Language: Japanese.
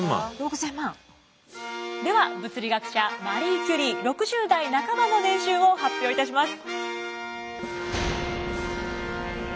では物理学者マリー・キュリー６０代半ばの年収を発表いたします。